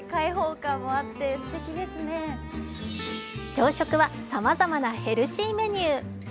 朝食はさまざまなヘルシーメニュー。